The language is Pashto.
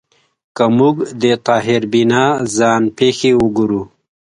که موږ د طاهر بینا ځان پېښې وګورو